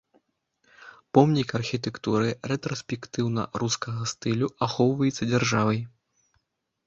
Помнік архітэктуры рэтраспектыўна-рускага стылю, ахоўваецца дзяржавай.